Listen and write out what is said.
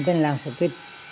thành làng phước tích